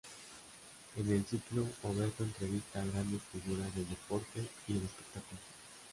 En el ciclo, Oberto entrevista a grandes figuras del deporte y el espectáculo.